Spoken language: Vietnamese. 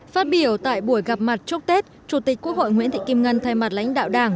phát biểu tại buổi gặp mặt chúc tết chủ tịch quốc hội nguyễn thị kim ngân thay mặt lãnh đạo đảng